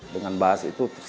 dengan bas itu terus